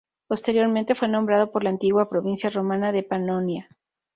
Posteriormente fue nombrado por la antigua provincia romana de Panonia.